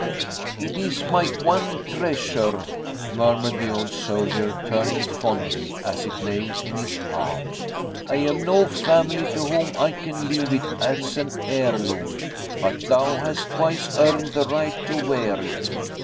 "It is my one treasure!" murmured the old soldier, turning it fondly, as it lay in his palm. "I have no family to whom I can leave it as an heirloom, but thou hast twice earned the right to wear it.